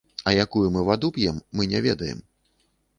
А якую мы ваду п'ем, мы не ведаем.